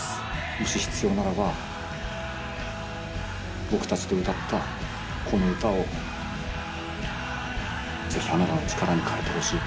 もし必要ならば僕たちと歌ったこの歌を是非あなたの力に変えてほしい。